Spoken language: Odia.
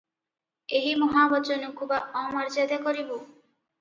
ଏହି ମହାବଚନକୁ ବା ଅମର୍ଯ୍ୟାଦା କରିବୁଁ ।